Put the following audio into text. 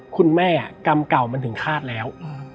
คุณแม่กรรมเก่ามันถึงฆาตแล้ว